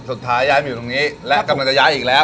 สุดท้ายย้ายมาอยู่ตรงนี้และกำลังจะย้ายอีกแล้ว